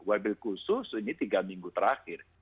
wabil khusus ini tiga minggu terakhir